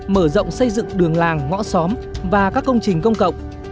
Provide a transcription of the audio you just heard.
mở rộng xây dựng đường làng ngõ xóm và các công trình công cộng